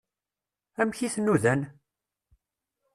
Amek i t-nudan?